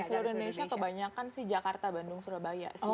di seluruh indonesia kebanyakan sih jakarta bandung surabaya sih